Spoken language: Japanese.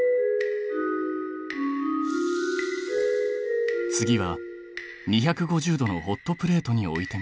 次は２５０℃のホットプレートに置いてみる。